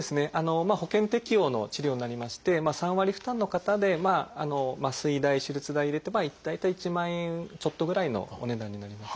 保険適用の治療になりまして３割負担の方で麻酔代手術代入れて大体１万円ちょっとぐらいのお値段になります。